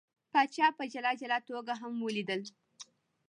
پاچا په جلا جلا توګه هم ولیدل.